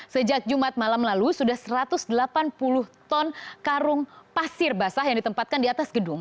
sejak jumat malam lalu sudah satu ratus delapan puluh ton karung pasir basah yang ditempatkan di atas gedung